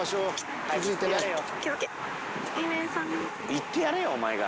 行ってやれよお前が。